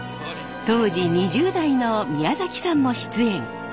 当時２０代の宮崎さんも出演。